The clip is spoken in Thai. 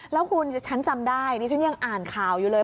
แล้วคุณฉันจำได้ดิฉันยังอ่านข่าวอยู่เลย